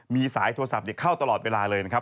มีสายโทรศัพท์เข้าตลอดเวลาเลยนะครับ